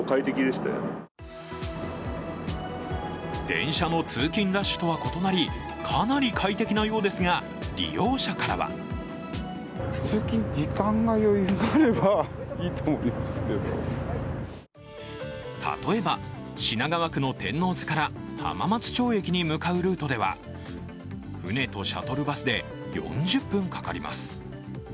電車の通勤ラッシュとは異なり、かなり快適なようですが、利用者からは例えば品川区の天王洲から浜松町駅に向かうルートでは、船とシャトルバスで４０分かかります。